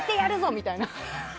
みたいな。